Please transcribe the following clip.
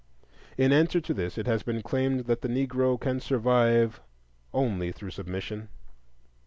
In answer to this, it has been claimed that the Negro can survive only through submission.